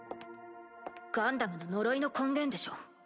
ガンダムの呪いの根源でしょ。